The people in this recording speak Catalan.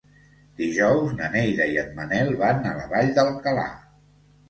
Dijous na Neida i en Manel van a la Vall d'Alcalà.